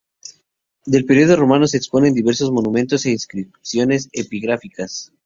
Del periodo romano se exponen diversos monumentos e inscripciones epigráficas.